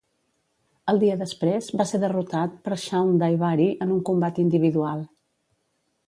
El dia després va ser derrotat per Shawn Daivari en un combat individual.